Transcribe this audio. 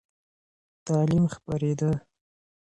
تعلیم خپرېده.